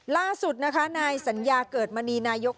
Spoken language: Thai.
ล่าสุดนะคะนายสัญญาเกิดมณีนายก